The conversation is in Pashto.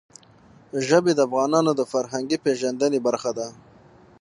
ژبې د افغانانو د فرهنګي پیژندنې برخه ده.